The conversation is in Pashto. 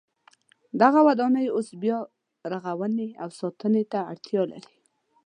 دغه ودانۍ اوس بیا رغونې او ساتنې ته اړتیا لري.